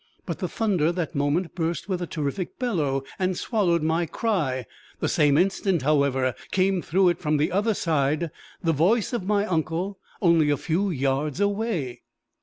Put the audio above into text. But the thunder that moment burst with a terrific bellow, and swallowed my cry. The same instant, however, came through it from the other side the voice of my uncle only a few yards away.